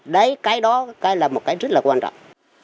đấy cái đó là một cái rất là quan trọng